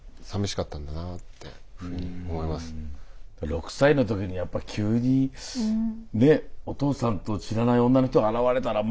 ６歳の時にやっぱり急にねお父さんと知らない女の人が現れたらまあそうなっちゃうのかなって。